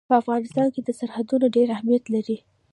په افغانستان کې سرحدونه ډېر اهمیت لري.